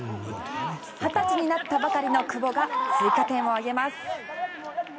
二十歳になったばかりの久保が追加点を挙げます。